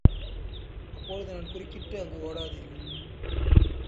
அப்பொழுது நான் குறுக்கிட்டு அங்கு ஓடாதீர்கள்.